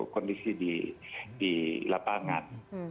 kondisi di lapangan